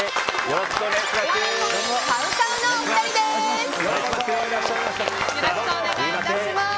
よろしくお願いします。